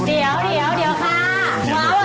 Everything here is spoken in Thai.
เดี๋ยวค่ะว้าวอะไรคะไหนชุดใหญ่คะ